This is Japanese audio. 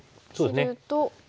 切ると。